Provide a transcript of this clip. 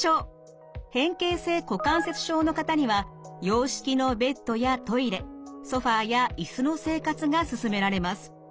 変形性股関節症の方には洋式のベッドやトイレソファーや椅子の生活がすすめられます。